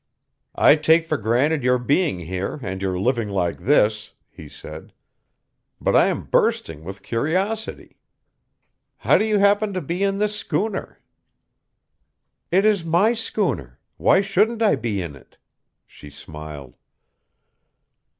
"I take for granted your being here and your living like this," he said; "but I am bursting with curiosity. How do you happen to be in this schooner?" "It is my schooner; why shouldn't I be in it?" she smiled.